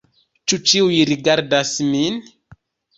Ĉu ĉiuj rigardas min?